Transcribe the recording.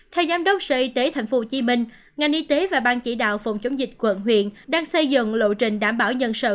theo giám đốc sở y tế tp hcm ngành y tế và ban chỉ đạo phòng chống dịch quận huyện đang xây dựng lộ trình đảm bảo nhân sự